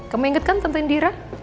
kamu inget kan tante indira